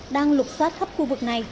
đang lục xoát thấp khu vực này